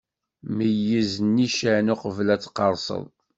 Meyyez nnican, uqbel ad tqerseḍ!